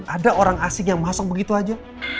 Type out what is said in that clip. ada orang asing yang masang begitu aja